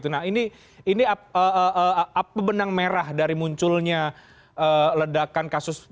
nah ini apa benang merah dari munculnya ledakan kasus